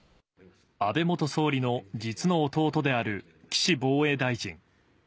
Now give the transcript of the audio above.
安倍元総理の実の弟である岸防衛大臣。